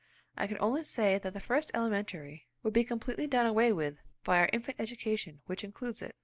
I can only say that the first elementary would be completely done away with by our infant education, which includes it.